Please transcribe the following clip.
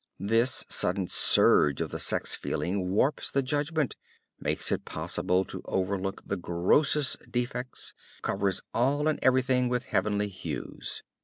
This sudden surge of the sex feeling warps the judgment, makes it possible to overlook the grossest defects, colors all and everything with heavenly hues.